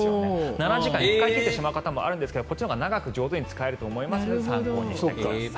７時間で使い切ってしまいますがこのほうが長く使えると思いますので参考にしてください。